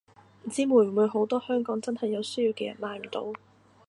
唔知會唔會好多香港真係有需要嘅人買唔到